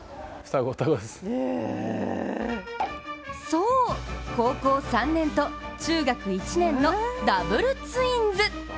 そう、高校３年と中学１年のダブルツインズ。